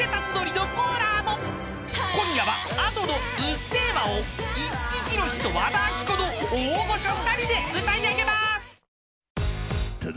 ［今夜はＡｄｏの『うっせぇわ』を五木ひろしと和田アキ子の大御所２人で歌い上げます］